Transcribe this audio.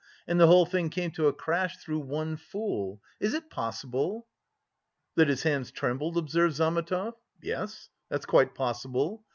And the whole thing came to a crash through one fool! Is it possible?" "That his hands trembled?" observed Zametov, "yes, that's quite possible.